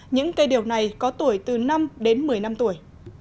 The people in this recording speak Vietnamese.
những cây điều này có tuổi từ năm đến một mươi năm tuổi